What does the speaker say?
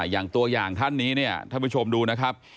อย่างตัวอย่างท่านนี้ถ้าผู้ชมดูนะครับ